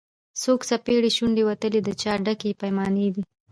څوک سپېرې شونډي وتلي د چا ډکي پیمانې دي